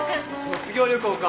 卒業旅行か。